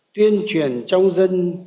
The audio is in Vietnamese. tuyên truyền trong dân